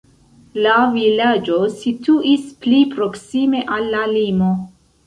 La vilaĝo situis pli proksime al la limo.